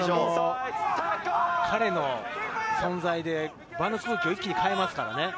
彼の存在で、周りの空気が一気に変わりますからね。